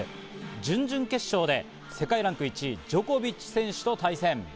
準々決勝で世界ランク１位、ジョコビッチ選手と対戦。